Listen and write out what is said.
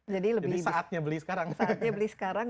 jadi saatnya beli sekarang